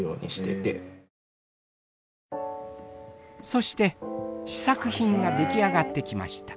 そして試作品が出来上がってきました。